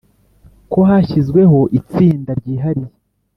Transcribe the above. ko hashyizweho itsinda ryihariye